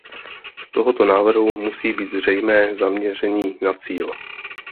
Z tohoto návrhu musí být zřejmé zaměření na cíl.